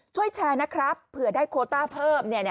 ช่วยแชร์นะครับเผื่อได้โคต้าเพิ่ม